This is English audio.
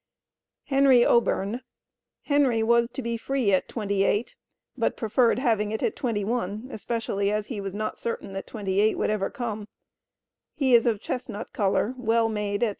Henry Oberne. Henry was to be free at 28, but preferred having it at 21, especially as he was not certain that 28 would ever come. He is of chestnut color, well made, &c.